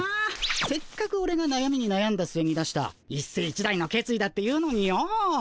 せっかくオレがなやみになやんだすえに出した一世一代の決意だっていうのによ。